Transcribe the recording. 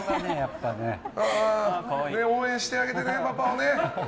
応援してあげてね、パパをね。